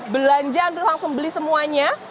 belanja langsung beli semuanya